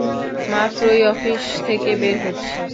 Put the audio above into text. মাত্রই অফিস থেকে বের হচ্ছি।